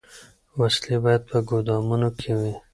وسلې باید په ګودامونو کي وي.